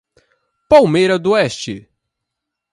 Palmeira d'Oeste